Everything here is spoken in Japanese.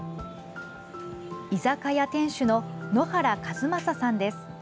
居酒屋店主の野原一将さんです。